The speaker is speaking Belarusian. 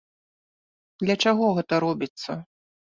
Для чаго гэта робіцца?